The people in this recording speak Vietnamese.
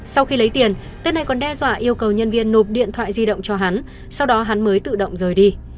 sau khi lấy tiền tên này còn đe dọa yêu cầu nhân viên nộp điện thoại di động cho hắn sau đó hắn mới tự động rời đi